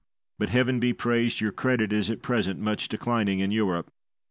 But, Heaven be praised, your credit is at present much declining in Europe.